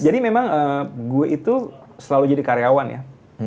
jadi memang gue itu selalu jadi karyawan ya